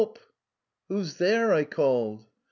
"" Who is there? " I called.